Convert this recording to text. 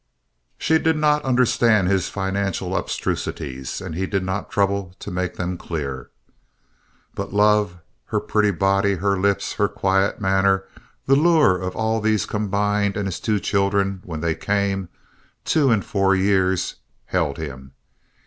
She did not understand his financial abstrusities, and he did not trouble to make them clear. But love, her pretty body, her lips, her quiet manner—the lure of all these combined, and his two children, when they came—two in four years—held him.